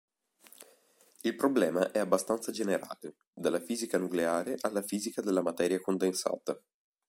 Il problema è abbastanza generale, dalla fisica nucleare alla fisica della materia condensata.